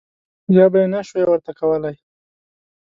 یا به یې نه شوای ورته کولای.